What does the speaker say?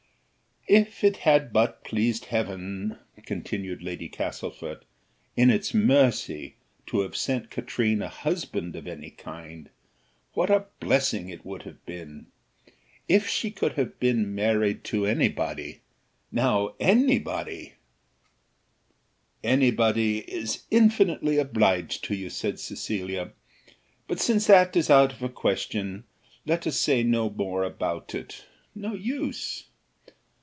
"If it had but pleased Heaven," continued Lady Castlefort, "in its mercy, to have sent Katrine a husband of any kind, what a blessing it would have been! If she could but have been married to any body now any body " "Any body is infinitely obliged to you," said Cecilia, "but since that is out of the question, let us say no more about it no use."